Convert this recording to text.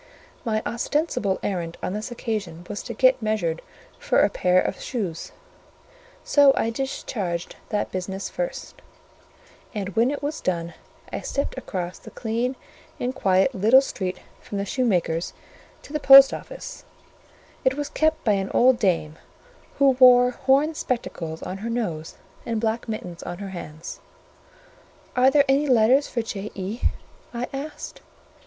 My ostensible errand on this occasion was to get measured for a pair of shoes; so I discharged that business first, and when it was done, I stepped across the clean and quiet little street from the shoemaker's to the post office: it was kept by an old dame, who wore horn spectacles on her nose, and black mittens on her hands. "Are there any letters for J.E.?" I asked.